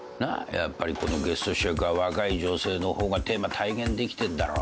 やっぱりこのゲスト主役は若い女性の方がテーマ体現できてんだろ。